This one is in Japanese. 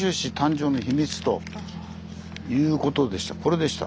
これでした。